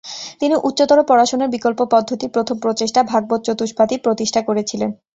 তিনি উচ্চতর পড়াশোনার বিকল্প পদ্ধতির প্রথম প্রচেষ্টা, ভাগবত চতুষ্পাঠী, প্রতিষ্ঠা করেছিলেন।